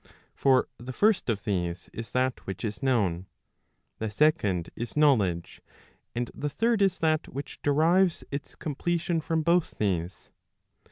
For the first of these is that which is known, the second is knowledge, and the third is that which derives its completion from both these.